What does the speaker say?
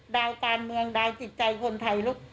ดาวการเมืองดาวจิตใจคนไทยลูก